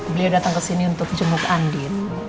beliau datang ke sini untuk jemuk andin